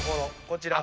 こちら。